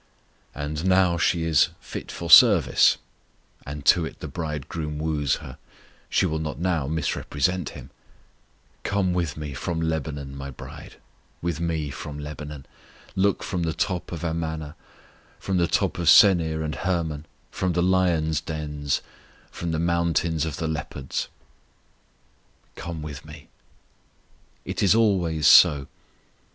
And now she is fit for service, and to it the Bridegroom woos her; she will not now misrepresent Him: Come with Me from Lebanon, My bride, With Me from Lebanon; Look from the top of Amana, From the top of Senir and Hermon, From the lions' dens, From the mountains of the leopards. "Come with Me." It is always so.